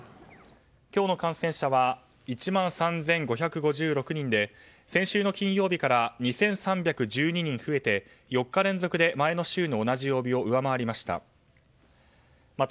今日の感染者は１万３５５６人で先週の金曜日から２３１２人増えて４日連続で前の週の同じ曜日を上回りました。